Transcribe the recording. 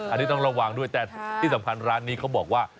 อันนี้ต้องระวังด้วยแต่ที่สำคัญร้านนี้เขาบอกว่า